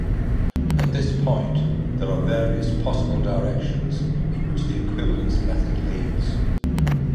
At this point, there are various possible directions in which the equivalence method leads.